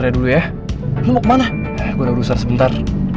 gue udah urusan sebentar